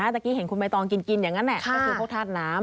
สักทีเห็นคุณมายตองกินอย่างนั้นน่ะ